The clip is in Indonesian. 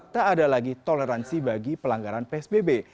tak ada lagi toleransi bagi pelanggaran psbb